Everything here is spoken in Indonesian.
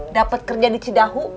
dapet kerja di cidahu